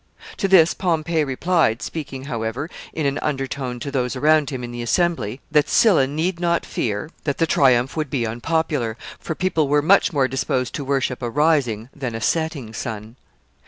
] To this Pompey replied, speaking, however, in an under tone to those around him in the assembly, that Sylla need not fear that the triumph would be unpopular, for people were much more disposed to worship a rising than a setting sun.